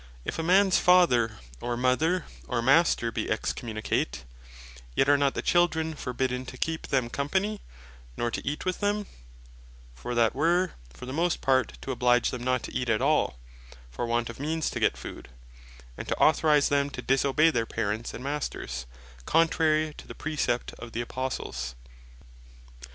If a mans Father, or Mother, or Master bee Excommunicate, yet are not the Children forbidden to keep them Company, nor to Eat with them; for that were (for the most part) to oblige them not to eat at all, for want of means to get food; and to authorise them to disobey their Parents, and Masters, contrary to the Precept of the Apostles.